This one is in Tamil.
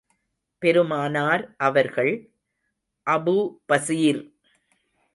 பெருமானார் அவர்கள், அபூ பஸீர்!